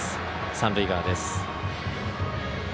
三塁側です。